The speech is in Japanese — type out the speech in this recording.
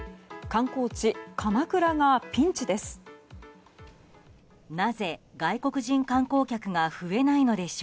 観光地・鎌倉がピンチです。